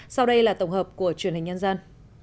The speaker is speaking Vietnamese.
sau đây là tổng hợp của truyền hình nhân dân